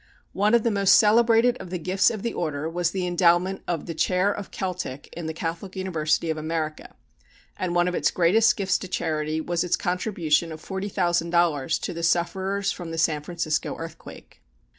One of the most celebrated of the gifts of the Order was the endowment of the Chair of Celtic in the Catholic University of America, and one of its greatest gifts to charity was its contribution of $40,000 to the sufferers from the San Francisco earthquake.